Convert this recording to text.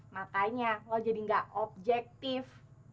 makanya lo jadi nggak objektif